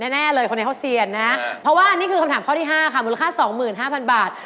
แน่เลยคนในห้องเซียนนะเพราะว่านี่คือคำถามข้อที่๕ค่ะมูลค่า๒๕๐๐บาท